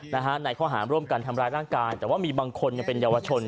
ในข้อหารร่วมกันทำร้ายร่างกายแต่ว่ามีบางคนยังเป็นเยาวชน